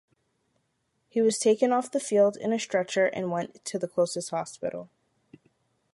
He was taken off the field in a stretcher and went to the closest hospital.